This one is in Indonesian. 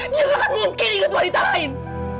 dia gak akan mungkin ingat wanita lain